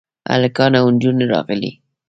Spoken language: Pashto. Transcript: هلکان او نجونې راغلې.